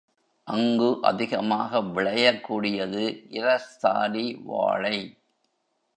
அங்கு அதிகமாக விளையக் கூடியது இரஸ்தாலி வாழை.